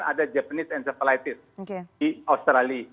ada japanese encephalitis di australia